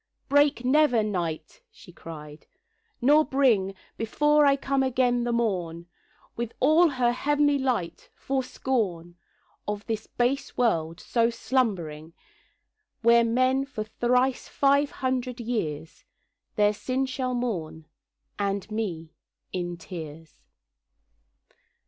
'Break never, Night,' she cried, 'nor bring Before I come again the morn With all her heav'nly light, for scorn Of this base world so slumbering; Where men for thrice five hundred years Their sin shall mourn, and me, in tears.